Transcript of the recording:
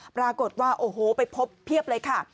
ปรากฏว่าโอ้โหไปพบเพียบเลยค่ะ